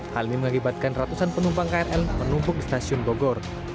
hal ini mengakibatkan ratusan penumpang krl menumpuk di stasiun bogor